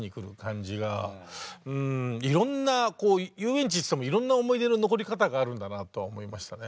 いろんな遊園地つってもいろんな思い出の残り方があるんだなと思いましたね。